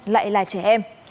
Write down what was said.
lại là trẻ em